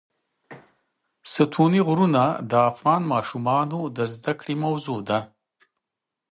ستوني غرونه د افغان ماشومانو د زده کړې موضوع ده.